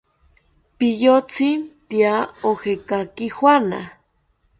¿Piyotzi tya ojekaki juana?